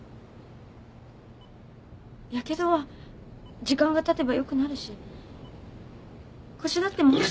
ヤケドは時間がたてばよくなるし腰だってもっと。